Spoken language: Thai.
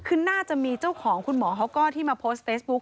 คือน่าจะมีเจ้าของคุณหมอเขาก็ที่มาโพสต์เฟซบุ๊ค